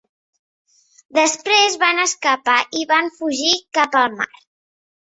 Després van escapar i van fugir cap al mar.